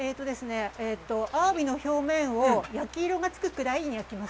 アワビの表面を焼き色がつくぐらいに焼きます。